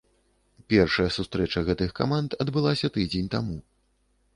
Першая сустрэча гэтых каманд адбылася тыдзень таму.